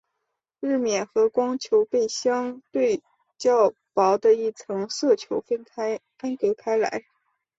日冕和光球被相对较薄的一层色球分隔开来。